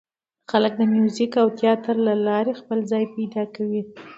خلک د موزیک او تیاتر له لارې خپل ځای پیدا کوي.